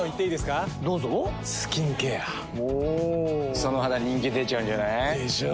その肌人気出ちゃうんじゃない？でしょう。